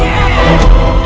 tadi kau memutuskan sembangku